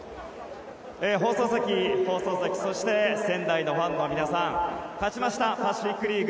放送席、そして仙台のファンの皆さん勝ちましたパシフィック・リーグ